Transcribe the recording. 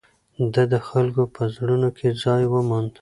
ده د خلکو په زړونو کې ځای وموند.